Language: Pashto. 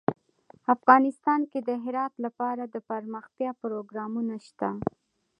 افغانستان کې د هرات لپاره دپرمختیا پروګرامونه شته.